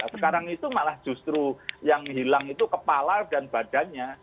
sekarang itu malah justru yang hilang itu kepala dan badannya